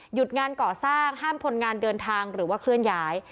งานก่อสร้างห้ามคนงานเดินทางหรือว่าเคลื่อนย้าย